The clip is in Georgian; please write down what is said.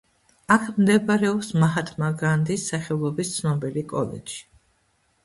აქ მდებარეობს მაჰათმა განდის სახელობის ცნობილი კოლეჯი.